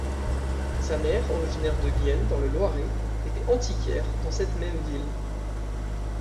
Sa mère originaire de Gien dans le Loiret était antiquaire dans cette même ville.